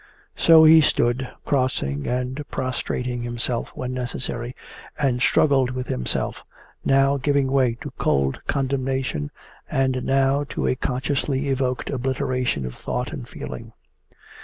So he stood, crossing and prostrating himself when necessary, and struggled with himself, now giving way to cold condemnation and now to a consciously evoked obliteration of thought and feeling.